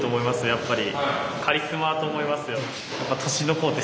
やっぱり。